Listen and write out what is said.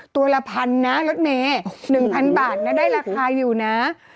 ตัวละพันนะรถเมย์๑๐๐บาทนะได้ราคาอยู่นะ